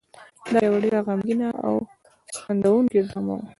دا یو ډېره غمګینه او خندوونکې ډرامه وه.